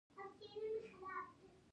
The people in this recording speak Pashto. دا کار د واورې د ننوتلو مخه نیسي